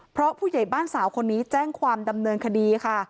เพราะผู้ใหญ่บ้านสาวคนนี้แจ้งความดำเนินคดีค่ะ